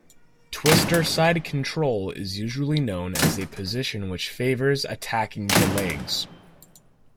Twister side control is usually known as a position which favors attacking the legs.